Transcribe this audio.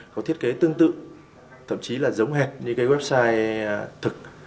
có thiết kế tương tự thậm chí là giống hẹp như cái website thực